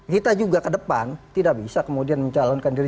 kita juga ke depan tidak bisa kemudian mencalonkan diri